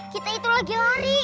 kita itu lagi lari